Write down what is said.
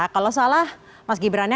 kalau salah mas gibran nya